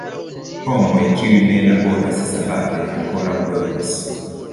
Homoj, kiuj ne laboras sabate ankoraŭ dormas.